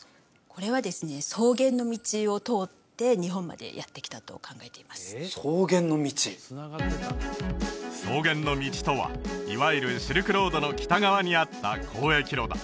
これはですね草原の道を通って日本までやって来たと考えています草原の道草原の道とはいわゆるシルクロードの北側にあった交易路だ